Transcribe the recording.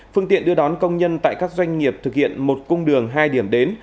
phương tiện đưa đón công nhân tại các doanh nghiệp thực hiện một cung đường hai điểm đến